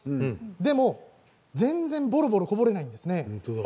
でも全然ぼろぼろこぼれないんですね。